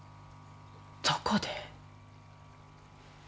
どこで？